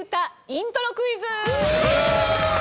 イントロクイズ！